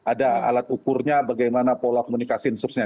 ada alat ukurnya bagaimana pola komunikasi dan seterusnya